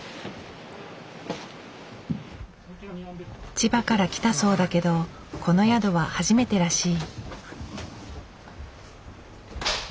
千葉から来たそうだけどこの宿は初めてらしい。